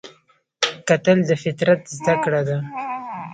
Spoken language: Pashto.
کتل د فطرت زده کړه ده